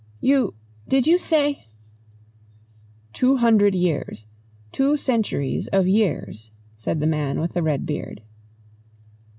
"You did you say ?" "Two hundred years. Two centuries of years," said the man with the red beard.